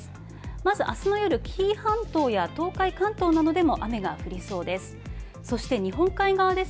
まずあすの夜、紀伊半島や東海、関東などでも雨が降りそうです。